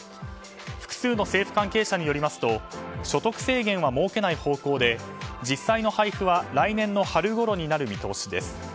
複数の政府関係者によりますと所得制限は設けない方向で実際の配布は来年の春ごろになる見通しです。